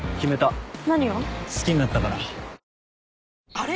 あれ？